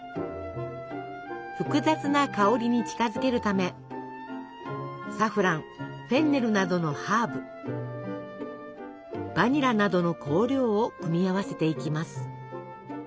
複雑な香りに近づけるためサフランフェンネルなどのハーブバニラなどの香料を組み合わせていきます。